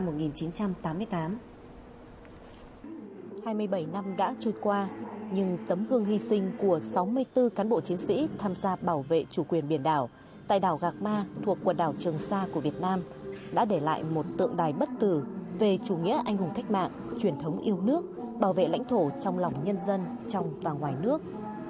hai mươi bảy năm đã trôi qua nhưng tấm gương hy sinh của sáu mươi bốn cán bộ chiến sĩ tham gia bảo vệ chủ quyền biển đảo tại đảo gạc ma thuộc quần đảo trường sa của việt nam đã để lại một tượng đài bất tử về chủ nghĩa anh hùng cách mạng truyền thống yêu nước bảo vệ lãnh thổ trong lòng nhân dân trong và ngoài nước